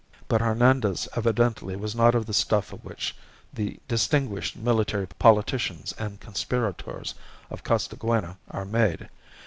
But Hernandez evidently was not of the stuff of which the distinguished military politicians and conspirators of Costaguana are made.